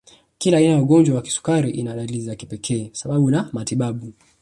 Kila aina ya ugonjwa wa kisukari ina dalili za kipekee sababu na matibabu